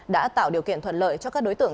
đã tạo điều kiện thuận lợi cho các đối tượng